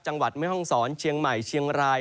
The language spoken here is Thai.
จังหวัดไม่ห้องสอนเชียงใหม่เชียงราย